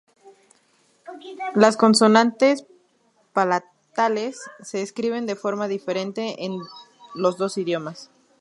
Las consonantes palatales se escriben de forma diferente en los dos idiomas.